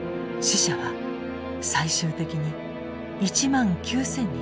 死者は最終的に１万９，０００に達した。